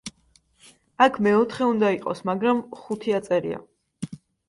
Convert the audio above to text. აქ მეოთხე უნდა იყოს მაგრამ ხუთი აწერია.